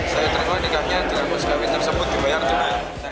saya terima nikahnya dengan muskawit tersebut dibayar juga